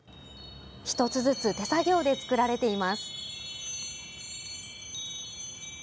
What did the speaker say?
１つずつ手作業で作られています。